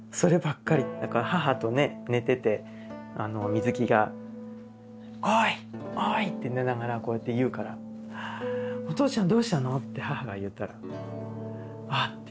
だから母とね寝てて水木が「おい！おい！」って寝ながらこうやって言うから「お父ちゃんどうしたの？」って母が言ったら「あっ夢か」。